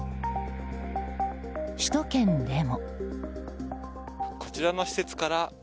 首都圏でも。